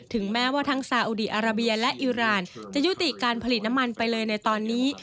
แม้ว่าทั้งซาอุดีอาราเบียและอิราณจะยุติการผลิตน้ำมันไปเลยในตอนนี้